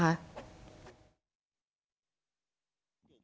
ครูจุ๋มทำยังไงกับหนูลูก